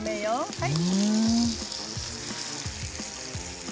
はい。